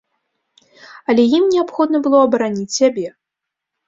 Але ім неабходна было абараніць сябе.